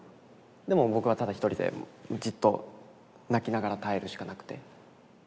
でも僕はただ一人でじっと泣きながら耐えるしかなくて。